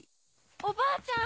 おばあちゃん！